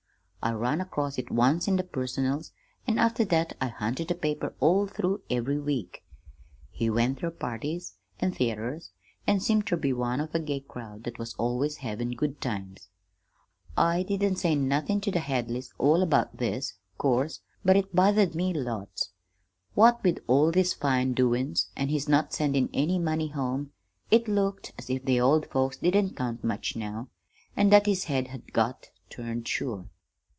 I run across it once in the 'Personals,' an' after that I hunted the paper all through every week. He went ter parties an' theaters, an' seemed ter be one of a gay crowd that was always havin' good times. I didn't say nothin' ter the Hadleys about all this, 'course, but it bothered me lots. What with all these fine doin's, an' his not sendin' any money home, it looked as if the old folks didn't count much now, an' that his head had got turned sure.